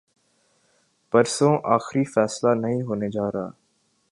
پرسوں آخری فیصلہ نہیں ہونے جارہا۔